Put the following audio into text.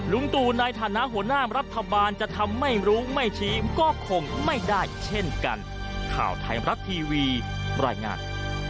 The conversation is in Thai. ลุงตู่ในฐานะหัวหน้ารัฐบาลจะทำไม่รู้ไม่ชี้ก็คงไม่ได้เช่นกันข่าวไทยมรัฐทีวีบรรยายงาน